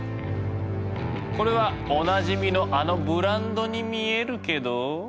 これはおなじみのあのブランドに見えるけど。